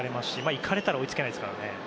行かれたら追いつけないですからね。